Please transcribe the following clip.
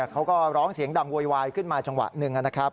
เขาก็ร้องเสียงดังโวยวายขึ้นมาจังหวะหนึ่งนะครับ